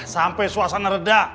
sampai suasana reda